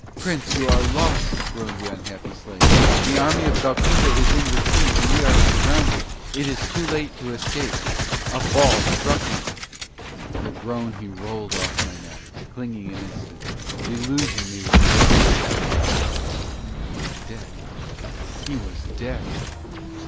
Prince! You are lost!" groaned the unhappy slave. "The army of Golconda is in retreat, and we are surrounded! It is too late to escape!" A ball struck him. With a groan he rolled off my neck, clinging an instant, deluging me with blood, then he fell. Dead. He was dead!